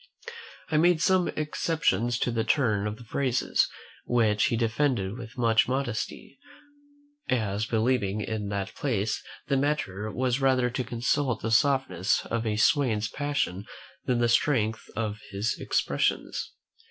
I made some exceptions to the turn of the phrases; which he defended with much modesty, as believing in that place the matter was rather to consult the softness of a swain's passion than the strength of his expressions.